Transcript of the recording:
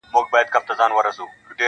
تمه نه وه د پاچا له عدالته-